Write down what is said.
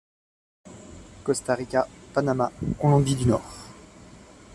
Costa Rica, Panama, Colombie du Nord.